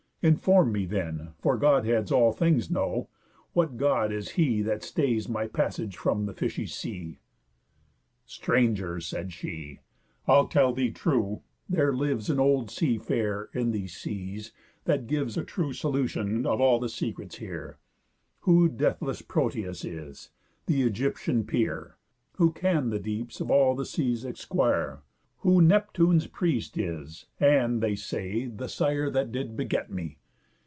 Inform me then, For Godheads all things know, what God is he That stays my passage from the fishy sea?' 'Stranger,' said she, 'I'll tell thee true: There lives An old sea farer in these seas, that gives A true solution of all secrets here, Who deathless Proteus is, th' Ægyptian peer, Who can the deeps of all the seas exquire, Who Neptune's priest is, and, they say, the sire That did beget me.